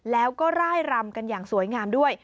แล้วก็ร่ายรำกันอย่างสวยงามด้วย